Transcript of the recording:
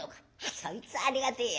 そいつはありがてえや。